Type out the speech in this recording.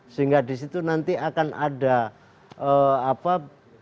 sehingga di situ nanti akan ada satu iklim